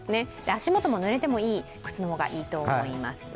足元もぬれてもいい靴の方がいいと思います。